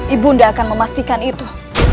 ibu undang akan memastikan itu